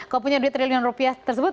kalau punya duit triliunan rupiah tersebut